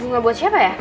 bunga buat siapa ya